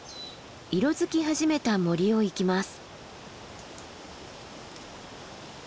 色づき始めた森を行きます。